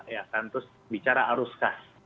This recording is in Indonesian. ya kan terus bicara arus kas